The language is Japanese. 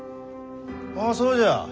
ああそうじゃ。